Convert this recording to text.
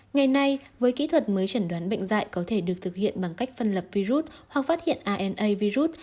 ngày nay với kỹ thuật mới chẩn đoán bệnh dạy có thể được thực hiện bằng cách phân lập virus hoặc phát hiện rna virus